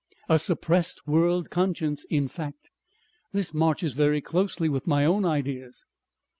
"A suppressed world conscience in fact. This marches very closely with my own ideas."